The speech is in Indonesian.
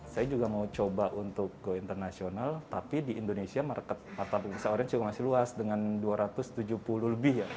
saya juga mau coba untuk go internasional tapi di indonesia market pasar orange juga masih luas dengan dua ratus tujuh puluh lebih ya